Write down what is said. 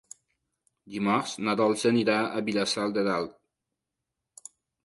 Dimarts na Dolça anirà a Vilassar de Dalt.